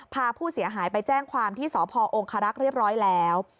พาผู้เสียหายไปแจ้งความที่สพองคารักษ์เรียบร้อยแล้ว